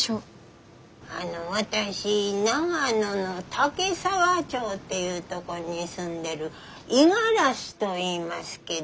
あの私長野の岳沢町っていうとこに住んでる五十嵐といいますけど。